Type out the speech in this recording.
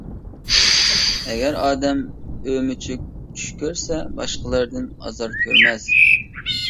ئەگەر ئادەم ئۆمۈچۈك چۈش كۆرسە، باشقىلاردىن ئازار كۆرمەس.